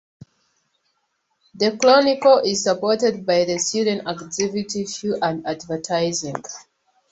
"The Chronicle" is supported by the student activity fee and advertising.